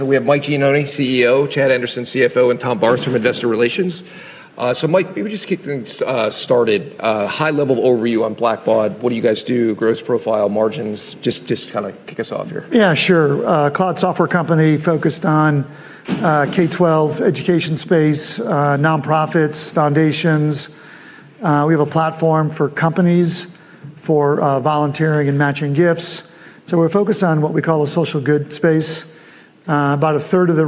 We have Mike Gianoni, CEO, Chad Anderson, CFO, and Tom Barth from Investor Relations. Mike, maybe just kick things started, high level overview on Blackbaud. What do you guys do? Growth profile, margins, just kinda kick us off here. Yeah, sure. Cloud software company focused on K12 education space, nonprofits, foundations. We have a platform for companies for volunteering and matching gifts. We're focused on what we call a social good space. About a third of the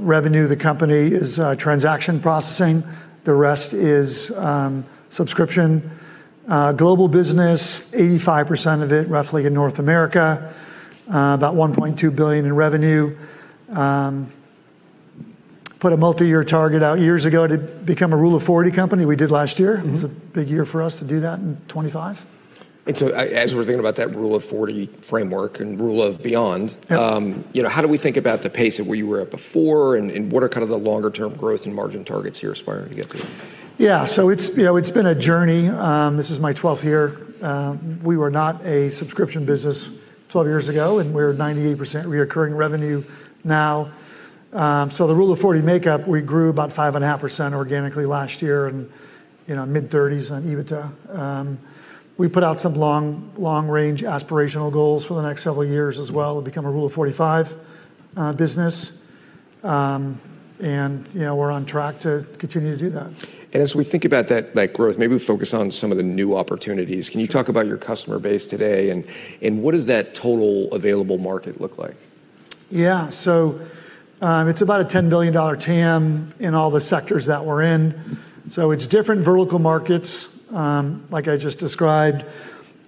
revenue of the company is transaction processing. The rest is subscription. Global business, 85% of it, roughly in North America, about $1.2 billion in revenue. Put a multi-year target out years ago to become a Rule of 40 company. We did last year. Mm-hmm. It was a big year for us to do that in 2025. As we're thinking about that Rule of 40 framework and rule of beyond. Yeah. you know, how do we think about the pace of where you were at before and what are kind of the longer term growth and margin targets you're aspiring to get to? Yeah. It's, you know, it's been a journey. This is my 12th year. We were not a subscription business 12 years ago, and we're 98% recurring revenue now. The Rule of 40 makeup, we grew about 5.5% organically last year and, you know, mid-30s on EBITDA. We put out some long, long range aspirational goals for the next several years as well. Mm-hmm. To become a Rule of 45 business. You know, we're on track to continue to do that. As we think about that growth, maybe we focus on some of the new opportunities. Sure. Can you talk about your customer base today and what does that total available market look like? It's about a $10 billion TAM in all the sectors that we're in. It's different vertical markets, like I just described,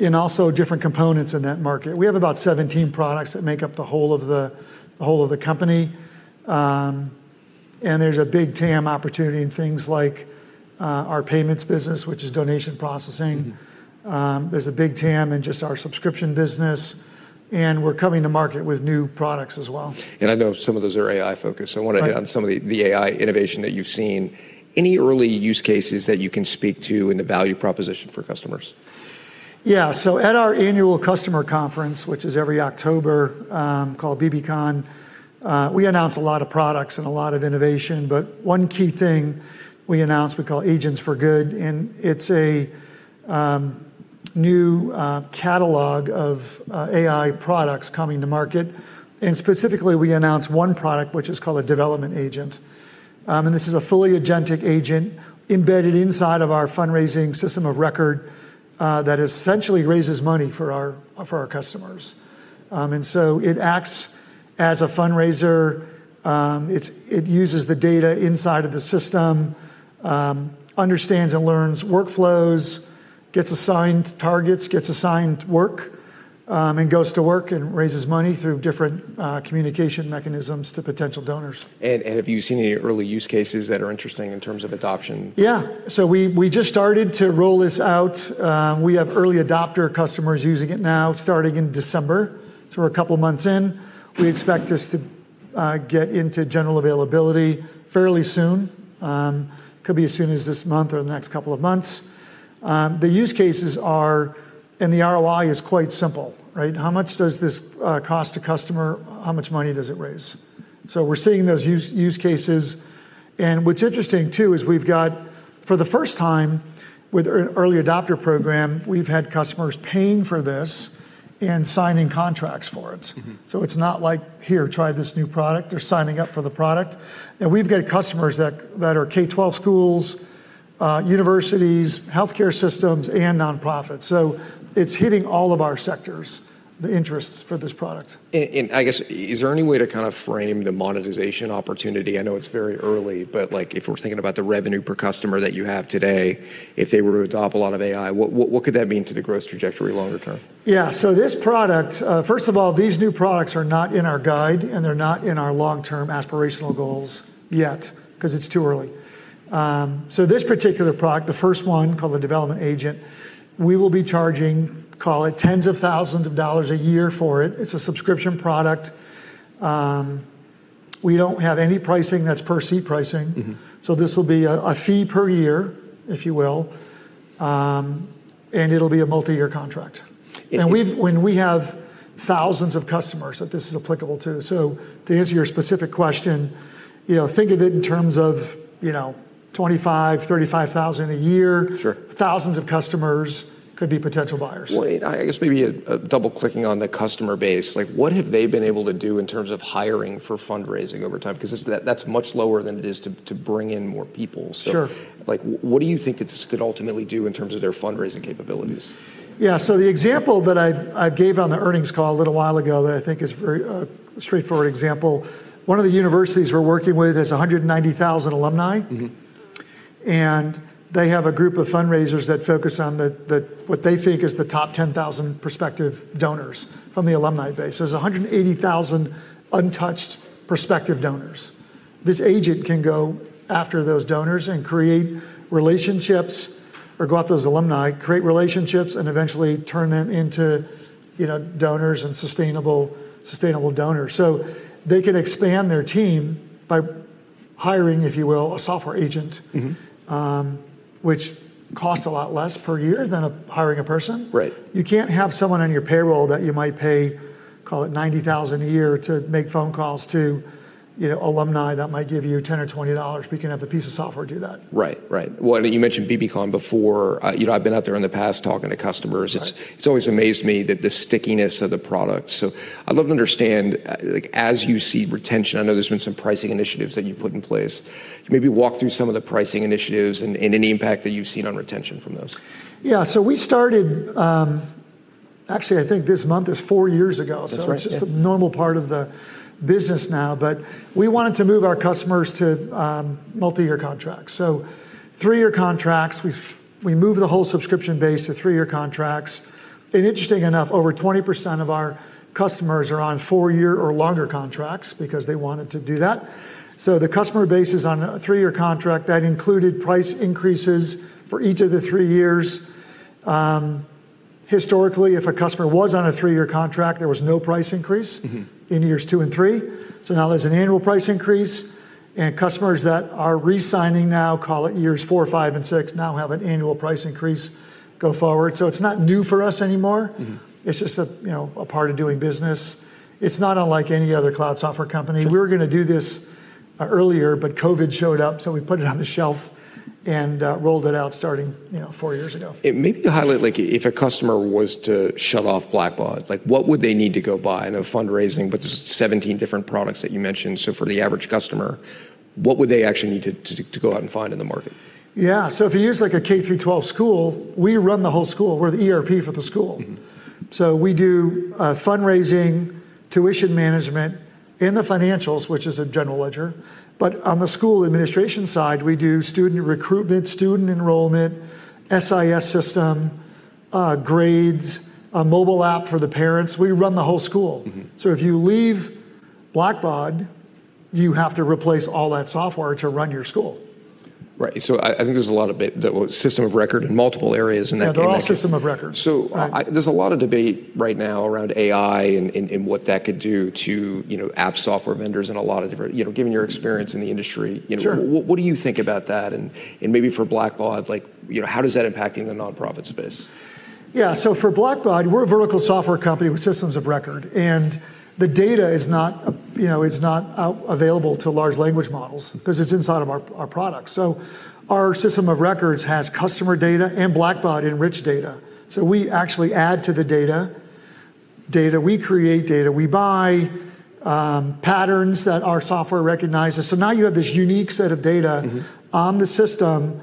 and also different components in that market. We have about 17 products that make up the whole of the company. There's a big TAM opportunity in things like our payments business, which is donation processing. Mm-hmm. There's a big TAM in just our subscription business, and we're coming to market with new products as well. I know some of those are AI focused. Right. I wanna hit on some of the AI innovation that you've seen. Any early use cases that you can speak to in the value proposition for customers? Yeah. At our annual customer conference, which is every October, called bbcon, we announce a lot of products and a lot of innovation. One key thing we announce, we call Agents for Good, and it's a new catalog of AI products coming to market. Specifically, we announce one product which is called a Development Agent. This is a fully agentic agent embedded inside of our fundraising system of record that essentially raises money for our, for our customers. It acts as a fundraiser. It's, it uses the data inside of the system, understands and learns workflows, gets assigned targets, gets assigned work, and goes to work and raises money through different communication mechanisms to potential donors. Have you seen any early use cases that are interesting in terms of adoption? We just started to roll this out. We have early adopter customers using it now, starting in December, so we're a couple of months in. We expect this to get into general availability fairly soon. Could be as soon as this month or the next couple of months. The use cases and the ROI is quite simple, right? How much does this cost a customer? How much money does it raise? We're seeing those use cases. What's interesting too is we've got, for the first time with early adopter program, we've had customers paying for this and signing contracts for it. Mm-hmm. It's not like, "Here, try this new product." They're signing up for the product. We've got customers that are K12 schools, universities, healthcare systems, and nonprofits. It's hitting all of our sectors, the interests for this product. I guess is there any way to kind of frame the monetization opportunity? I know it's very early, but, like, if we're thinking about the revenue per customer that you have today, if they were to adopt a lot of AI, what could that mean to the growth trajectory longer term? This product, first of all, these new products are not in our guide, and they're not in our long-term aspirational goals yet 'cause it's too early. This particular product, the first one called the Development Agent, we will be charging, call it tens of thousands of dollars a year for it. It's a subscription product. We don't have any pricing that's per seat pricing. Mm-hmm. This will be a fee per year, if you will. It'll be a multi-year contract. If you- We have thousands of customers that this is applicable to. To answer your specific question, you know, think of it in terms of, you know, $25,000-$35,000 a year. Sure. Thousands of customers could be potential buyers. I guess maybe, double clicking on the customer base. Like, what have they been able to do in terms of hiring for fundraising over time? 'Cause that's much lower than it is to bring in more people. Sure. Like, what do you think this could ultimately do in terms of their fundraising capabilities? The example that I gave on the earnings call a little while ago that I think is very straightforward example, one of the universities we're working with has 190,000 alumni. Mm-hmm. They have a group of fundraisers that focus on the what they think is the top 10,000 prospective donors from the alumni base. There's 180,000 untouched prospective donors. This agent can go after those donors and create relationships or go after those alumni, create relationships, and eventually turn them into, you know, donors and sustainable donors. They can expand their team by hiring, if you will, a software agent. Mm-hmm. Which costs a lot less per year than hiring a person. Right. You can't have someone on your payroll that you might pay, call it $90,000 a year to make phone calls to, you know, alumni that might give you $10 or $20. We can have the piece of software do that. Right. Right. Well, you mentioned bbcon before. you know, I've been out there in the past talking to customers. Right. It's always amazed me that the stickiness of the product. I'd love to understand, like, as you see retention, I know there's been some pricing initiatives that you've put in place. Can you maybe walk through some of the pricing initiatives and any impact that you've seen on retention from those? Yeah. We started, actually, I think this month is four years ago. That's right. Yeah. It's just a normal part of the business now. We wanted to move our customers to multi-year contracts. Three-year contracts, we moved the whole subscription base to three-year contracts. Interestingly enough, over 20% of our customers are on four-year or longer contracts because they wanted to do that. The customer base is on a three-year contract that included price increases for each of the three years. Historically, if a customer was on a three-year contract, there was no price increase. Mm-hmm. in years two and three. Now there's an annual price increase, customers that are re-signing now, call it years four, five, and six, now have an annual price increase go forward. It's not new for us anymore. Mm-hmm. It's just a, you know, a part of doing business. It's not unlike any other cloud software company. Sure. We were gonna do this, earlier, but COVID showed up, so we put it on the shelf and, rolled it out starting, you know, four years ago. Maybe to highlight, like, if a customer was to shut off Blackbaud, like, what would they need to go buy? I know fundraising, but there's 17 different products that you mentioned. For the average customer, what would they actually need to go out and find in the market? Yeah. If you use, like, a K12 school, we run the whole school. We're the ERP for the school. Mm-hmm. We do fundraising, tuition management, and the financials, which is a general ledger. On the school administration side, we do student recruitment, student enrollment, SIS system, grades, a mobile app for the parents. We run the whole school. Mm-hmm. If you leave Blackbaud, you have to replace all that software to run your school. Right. I think there's a lot of the system of record in multiple areas in that- Yeah, they're all system of record. So- Right... there's a lot of debate right now around AI and what that could do to, you know, app software vendors and a lot of different... You know, given your experience in the industry- Sure what do you think about that? Maybe for Blackbaud, like, you know, how is that impacting the nonprofit space? Yeah. For Blackbaud, we're a vertical software company with systems of record, and the data is not, you know, is not available to large language models because it's inside of our product. Our system of records has customer data and Blackbaud enriched data, so we actually add to the data. Data we create, data we buy, patterns that our software recognizes. Now you have this unique set of data. Mm-hmm... on the system,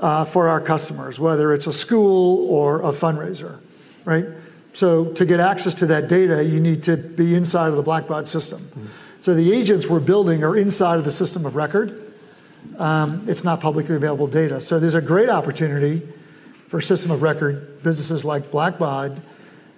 for our customers, whether it's a school or a fundraiser, right? To get access to that data, you need to be inside of the Blackbaud system. Mm-hmm. The agents we're building are inside of the system of record. It's not publicly available data. There's a great opportunity for system of record businesses like Blackbaud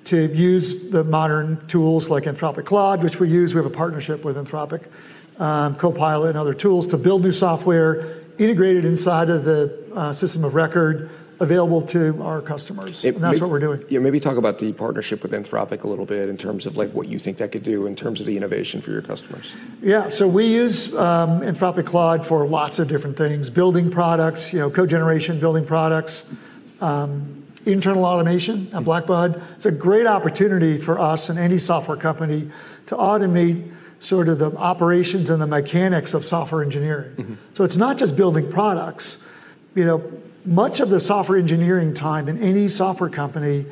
to use the modern tools like Anthropic Claude, which we use. We have a partnership with Anthropic, Copilot, and other tools to build new software integrated inside of the system of record available to our customers. It- That's what we're doing. Yeah, maybe talk about the partnership with Anthropic a little bit in terms of, like, what you think that could do in terms of the innovation for your customers. Yeah. We use Anthropic Claude for lots of different things: building products, you know, code generation, building products, internal automation at Blackbaud. It's a great opportunity for us and any software company to automate sort of the operations and the mechanics of software engineering. Mm-hmm. It's not just building products. You know, much of the software engineering time in any software company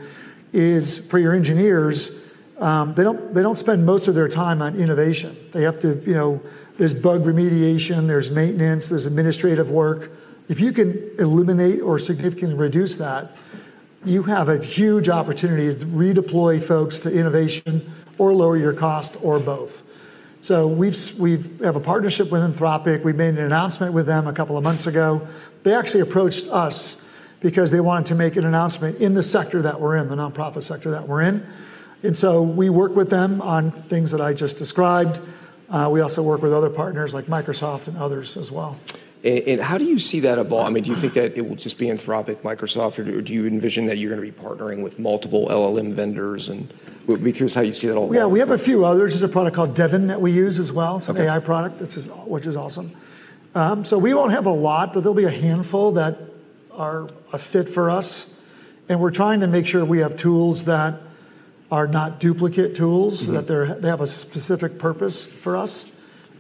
is for your engineers, they don't spend most of their time on innovation. They have to. You know, there's bug remediation, there's maintenance, there's administrative work. If you can eliminate or significantly reduce that, you have a huge opportunity to redeploy folks to innovation or lower your cost or both. We've have a partnership with Anthropic. We made an announcement with them a couple of months ago. They actually approached us because they wanted to make an announcement in the sector that we're in, the nonprofit sector that we're in. We work with them on things that I just described. We also work with other partners like Microsoft and others as well. How do you see that I mean, do you think that it will just be Anthropic, Microsoft, or do you envision that you're gonna be partnering with multiple LLM vendors? I'm curious how you see that all playing out. Yeah, we have a few others. There's a product called Devin that we use as well. Okay. It's an AI product. which is awesome. We won't have a lot, but there'll be a handful that are a fit for us, and we're trying to make sure we have tools that are not duplicate tools. Mm-hmm... that they have a specific purpose for us,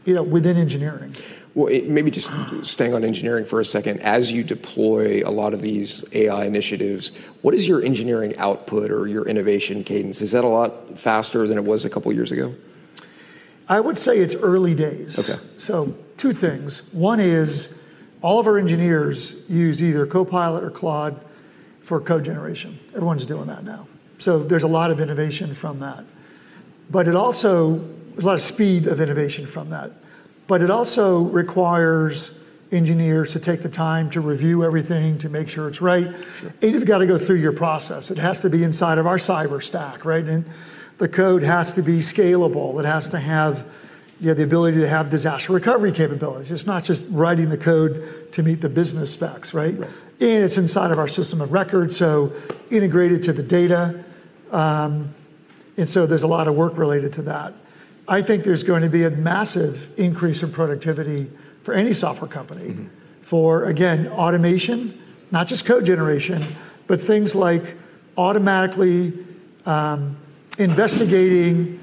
you know, within engineering. Well, Maybe just staying on engineering for a second. As you deploy a lot of these AI initiatives, what is your engineering output or your innovation cadence? Is that a lot faster than it was a couple years ago? I would say it's early days. Okay. Two things. One is all of our engineers use either Copilot or Claude for code generation. Everyone's doing that now. There's a lot of innovation from that. It also A lot of speed of innovation from that. It also requires engineers to take the time to review everything, to make sure it's right. Sure. You've got to go through your process. It has to be inside of our cyber stack, right? The code has to be scalable. It has to have, you know, the ability to have disaster recovery capabilities. It's not just writing the code to meet the business specs, right? Yeah. It's inside of our system of record, so integrated to the data. There's a lot of work related to that. I think there's going to be a massive increase in productivity for any software company. Mm-hmm. For, again, automation, not just code generation, but things like automatically, investigating,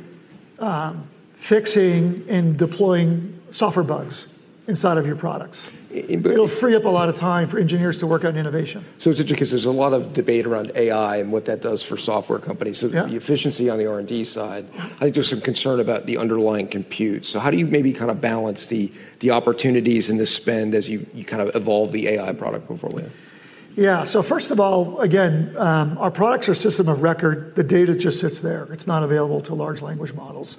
fixing and deploying software bugs inside of your products. In bu- It'll free up a lot of time for engineers to work on innovation. It's 'cause there's a lot of debate around AI and what that does for software companies. Yeah. The efficiency on the R&D side. Yeah. I think there's some concern about the underlying compute. How do you maybe kind of balance the opportunities and the spend as you kind of evolve the AI product moving forward? Yeah. First of all, again, our products are system of record. The data just sits there. It's not available to large language models.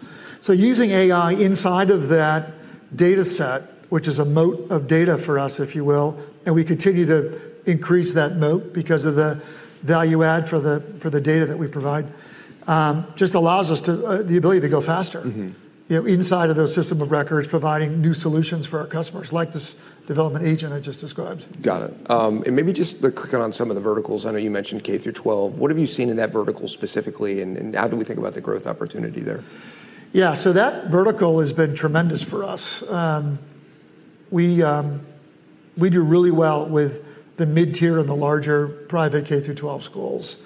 Using AI inside of that data set, which is a moat of data for us, if you will, and we continue to increase that moat because of the value add for the, for the data that we provide, just allows us to the ability to go faster. Mm-hmm. You know, inside of those system of records, providing new solutions for our customers, like this Development Agent I just described. Got it. Maybe just the clicking on some of the verticals. I know you mentioned K through 12. What have you seen in that vertical specifically, and how do we think about the growth opportunity there? Yeah. That vertical has been tremendous for us. We do really well with the mid-tier and the larger private K through 12 schools.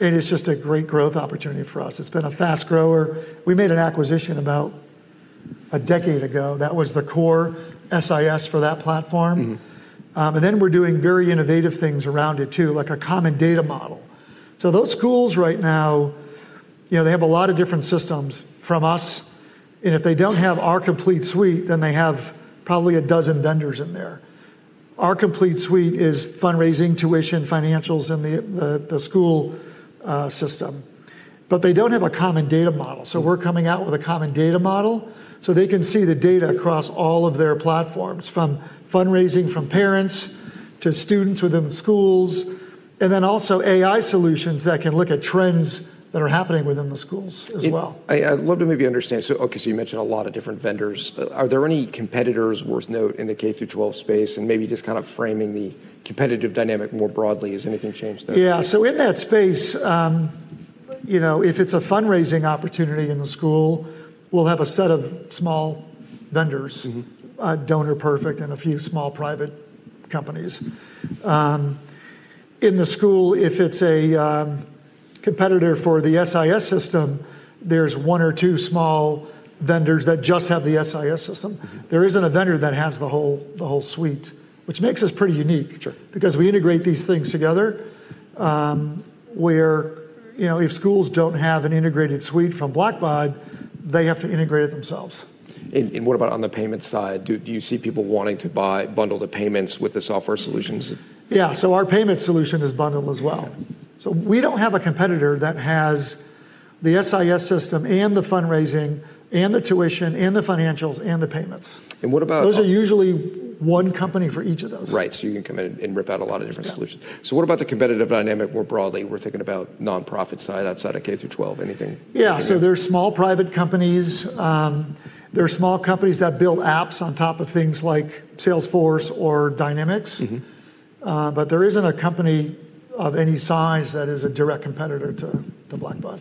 It's just a great growth opportunity for us. It's been a fast grower. We made an acquisition about a decade ago. That was the core SIS for that platform. Mm-hmm. Then we're doing very innovative things around it too, like a Common Data Model. Those schools right now, you know, they have a lot of different systems from us, and if they don't have our complete suite, then they have probably 12 vendors in there. Our complete suite is fundraising, tuition, financials, and the school system. They don't have a Common Data Model. We're coming out with a Common Data Model so they can see the data across all of their platforms, from fundraising from parents to students within the schools, then also AI solutions that can look at trends that are happening within the schools as well. I'd love to maybe understand. Okay, so you mentioned a lot of different vendors. Are there any competitors worth note in the K12 space? Maybe just kind of framing the competitive dynamic more broadly. Has anything changed there? Yeah. In that space, you know, if it's a fundraising opportunity in the school, we'll have a set of small vendors. Mm-hmm. DonorPerfect and a few small private companies. In the school, if it's a competitor for the SIS system, there's one or two small vendors that just have the SIS system. Mm-hmm. There isn't a vendor that has the whole, the whole suite, which makes us pretty unique. Sure because we integrate these things together, where, you know, if schools don't have an integrated suite from Blackbaud, they have to integrate it themselves. What about on the payment side? Do you see people wanting to buy, bundle the payments with the software solutions? Yeah. Our payment solution is bundled as well. Yeah. We don't have a competitor that has the SIS system and the fundraising and the tuition and the financials and the payments. what about- Those are usually one company for each of those. Right. you can come in and rip out a lot of different solutions. Yeah. What about the competitive dynamic more broadly? We're thinking about nonprofit side outside of K through 12. Anything? Yeah. There's small private companies. There are small companies that build apps on top of things like Salesforce or Dynamics. Mm-hmm. There isn't a company of any size that is a direct competitor to Blackbaud.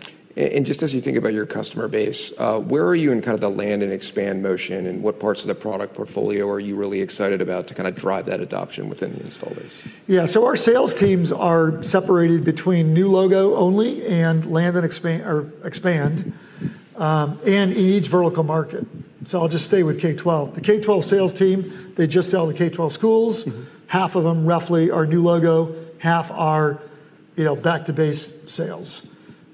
Just as you think about your customer base, where are you in kinda the land and expand motion, and what parts of the product portfolio are you really excited about to kinda drive that adoption within the install base? Yeah. Our sales teams are separated between new logo only and land and expand, or expand, and in each vertical market. I'll just stay with K12. The K12 sales team, they just sell to K12 schools. Mm-hmm. Half of them roughly are new logo, half are, you know, back to base sales.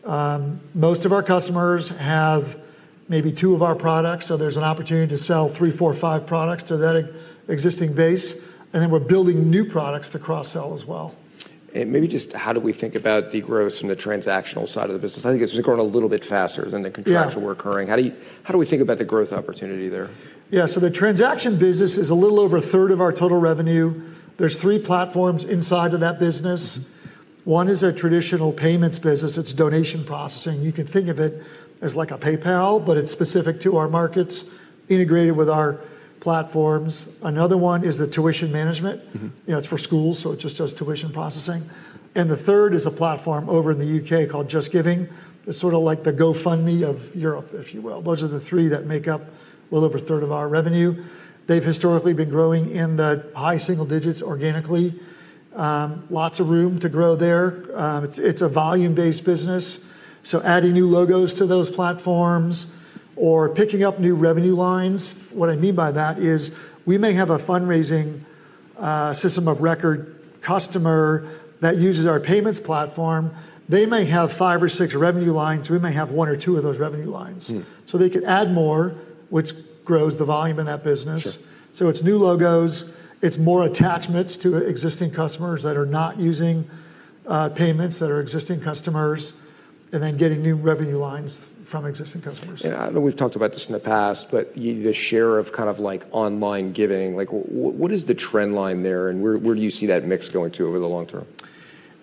Most of our customers have maybe two of our products, so there's an opportunity to sell three, four, or five products to that existing base, and then we're building new products to cross-sell as well. Maybe just how do we think about the growth from the transactional side of the business? I think it's grown a little bit faster than the contractual- Yeah recurring. How do we think about the growth opportunity there? The transaction business is a little over a third of our total revenue. There's three platforms inside of that business. One is a traditional payments business. It's donation processing. You can think of it as like a PayPal, but it's specific to our markets, integrated with our platforms. Another one is the tuition management. Mm-hmm. You know, it's for schools, so it just does tuition processing. The third is a platform over in the U.K. called JustGiving. It's sorta like the GoFundMe of Europe, if you will. Those are the three that make up a little over a third of our revenue. They've historically been growing in the high single digits organically. Lots of room to grow there. It's a volume-based business, so adding new logos to those platforms or picking up new revenue lines. What I mean by that is we may have a fundraising system of record customer that uses our payments platform. They may have five or six revenue lines. We may have one or two of those revenue lines. Mm. They could add more, which grows the volume in that business. Sure. It's new logos. It's more attachments to existing customers that are not using payments, that are existing customers, and then getting new revenue lines from existing customers. Yeah. I know we've talked about this in the past, but the share of kind of like online giving, like what is the trend line there, and where do you see that mix going to over the long term?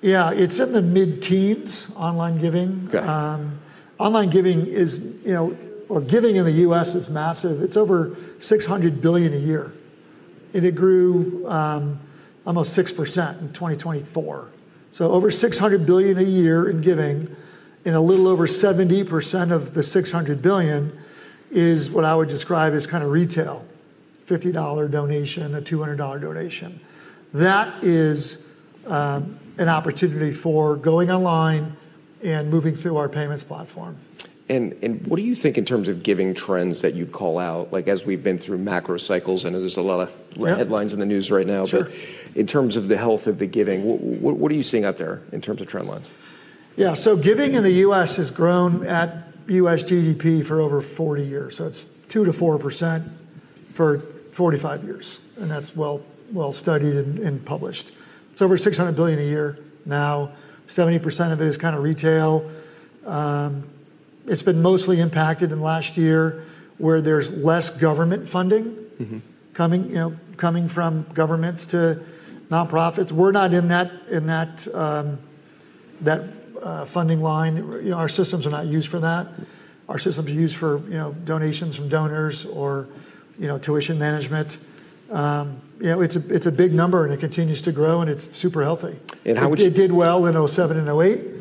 Yeah. It's in the mid-teens, online giving. Okay. online giving is, you know, or giving in the U.S. is massive. It's over $600 billion a year. It grew, almost 6% in 2024. Over $600 billion a year in giving, and a little over 70% of the $600 billion is what I would describe as kinda retail. $50 donation, a $200 donation. That is an opportunity for going online and moving through our payments platform. What do you think in terms of giving trends that you call out, like, as we've been through macro cycles, I know there's. Yeah headlines in the news right now. Sure. In terms of the health of the giving, what are you seeing out there in terms of trend lines? Yeah. Giving in the U.S. has grown at U.S. GDP for over 40 years. It's 2%-4% for 45 years, and that's well studied and published. It's over $600 billion a year now. 70% of it is kinda retail. It's been mostly impacted in last year, where there's less government funding. Mm-hm coming, you know, coming from governments to nonprofits. We're not in that, in that funding line. You know, our systems are not used for that. Our systems are used for, you know, donations from donors or, you know, tuition management. You know, it's a, it's a big number, and it continues to grow, and it's super healthy. How would you. It did well in 2007 and 2008.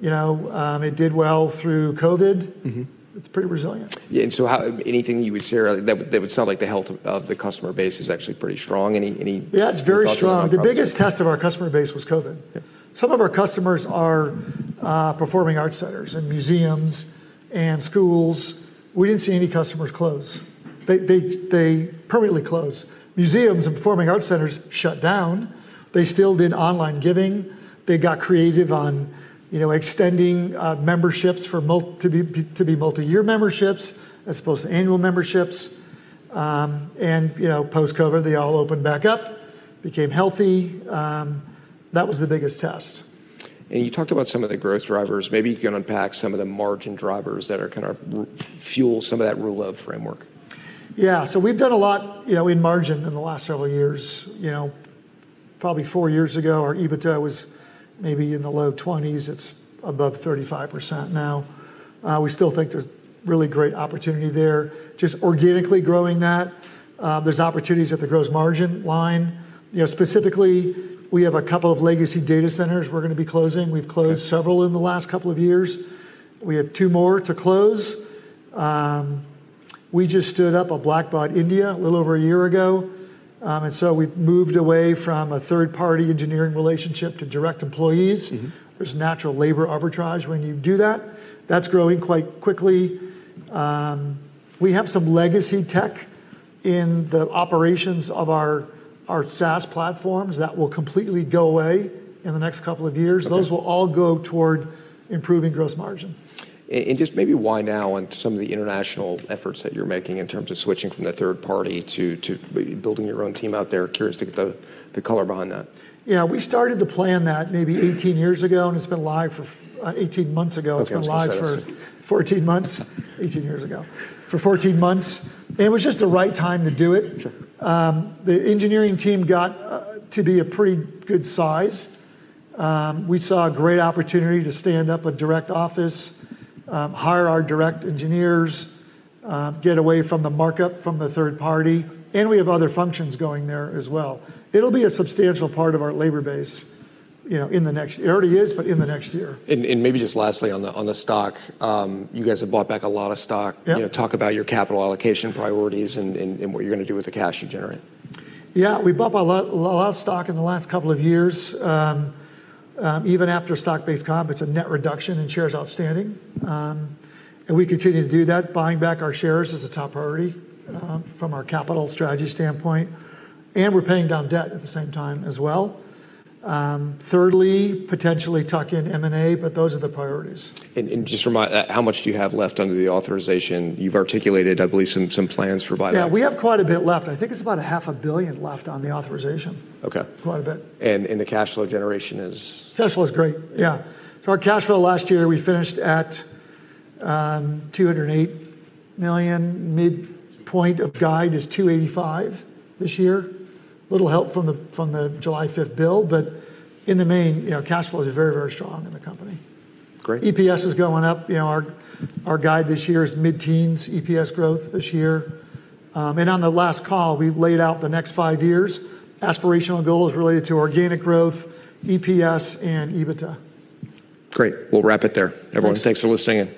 You know, it did well through COVID. Mm-hmm. It's pretty resilient. How anything you would share that would sound like the health of the customer base is actually pretty strong? Yeah, it's very strong. thoughts around that? The biggest test of our customer base was COVID. Yeah. Some of our customers are performing arts centers and museums and schools. We didn't see any customers close. They permanently closed. Museums and performing arts centers shut down. They still did online giving. They got creative on, you know, extending memberships for multi-year memberships as opposed to annual memberships. You know, post-COVID, they all opened back up, became healthy. That was the biggest test. You talked about some of the growth drivers. Maybe you can unpack some of the margin drivers that are kind of fuel some of that Rule of framework. We've done a lot, you know, in margin in the last several years. Probably four years ago, our EBITDA was maybe in the low 20s. It's above 35% now. We still think there's really great opportunity there. Just organically growing that, there's opportunities at the gross margin line. Specifically, we have a couple of legacy data centers we're gonna be closing. Okay. We've closed several in the last couple of years. We have two more to close. We just stood up a Blackbaud India a little over a year ago. We've moved away from a third-party engineering relationship to direct employees. Mm-hmm. There's natural labor arbitrage when you do that. That's growing quite quickly. We have some legacy tech in the operations of our SaaS platforms that will completely go away in the next couple of years. Okay. Those will all go toward improving gross margin. Just maybe why now on some of the international efforts that you're making in terms of switching from the third party to building your own team out there. Curious to get the color behind that. Yeah, we started the plan that maybe 18 years ago, and it's been live for... 18 months ago. Okay. I'm just gonna say that. It's been live for 14 months. 18 years ago. For 14 months. It was just the right time to do it. Sure. The engineering team got to be a pretty good size. We saw a great opportunity to stand up a direct office, hire our direct engineers, get away from the markup from the third party. We have other functions going there as well. It'll be a substantial part of our labor base, you know. It already is, but in the next year. Maybe just lastly on the, on the stock, you guys have bought back a lot of stock. Yeah. You know, talk about your capital allocation priorities and what you're gonna do with the cash you generate. Yeah. We bought a lot of stock in the last couple of years. Even after stock-based compensation, it's a net reduction in shares outstanding. We continue to do that. Buying back our shares is a top priority, from our capital strategy standpoint, and we're paying down debt at the same time as well. Thirdly, potentially tuck in M&A. Those are the priorities. How much do you have left under the authorization? You've articulated, I believe, some plans for buyback. Yeah, we have quite a bit left. I think it's about a half a billion left on the authorization. Okay. Quite a bit. The cash flow generation is? Cash flow is great. Yeah. Our cash flow last year, we finished at $208 million. Midpoint of guide is $285 million this year. Little help from the 5th July bill, in the main, you know, cash flow is very, very strong in the company. Great. EPS is going up. You know, our guide this year is mid-teens EPS growth this year. On the last call, we've laid out the next five years, aspirational goals related to organic growth, EPS, and EBITDA. Great. We'll wrap it there. Thanks. Everyone, thanks for listening in. Thank you.